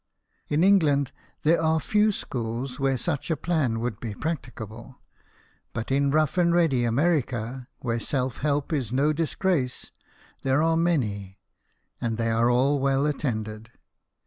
In England there are few schools where such a plan would be practicable ; but in rough and ready America, where self help is no disgrace, there are many, and they are all well attended.